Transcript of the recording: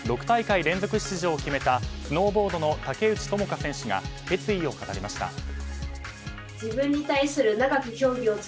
６大会連続出場を決めたスノーボードの竹内智香選手が決意を語りました。